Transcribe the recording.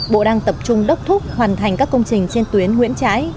bộ đang tập trung đốc thúc hoàn thành các công trình trên tuyến nguyễn trãi